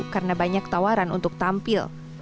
karena banyak tawaran untuk tampil